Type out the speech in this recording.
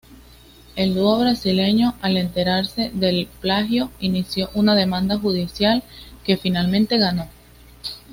El dúo brasileño, al enterarse del plagio, inició una demanda judicial, que finalmente ganó.